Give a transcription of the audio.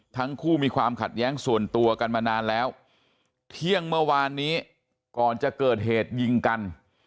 ทั้งคู่มีความขัดแย้งส่วนตัวกันมานานแล้วเที่ยงเมื่อวานนี้ก่อนจะเกิดเหตุยิงกัน